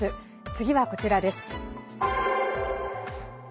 次はこちらです。